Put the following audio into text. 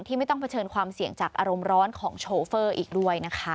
ไม่ต้องเผชิญความเสี่ยงจากอารมณ์ร้อนของโชเฟอร์อีกด้วยนะคะ